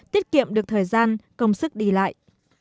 tiết kiệm được thời gian công sức đi lại